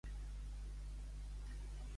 Arribar la Pelada.